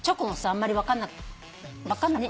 あんまり分かんなくない？